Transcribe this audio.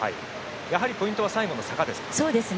ポイントは最後の坂ですか。